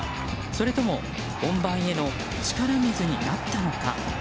それとも本番への力水になったのか。